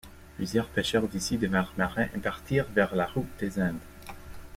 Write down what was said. Plusieurs pêcheurs d’ici devinrent marins et partirent vers la route des Indes.